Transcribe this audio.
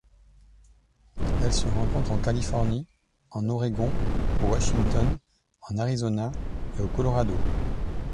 Elle se rencontre en Californie, en Oregon, au Washington, en Arizona et au Colorado.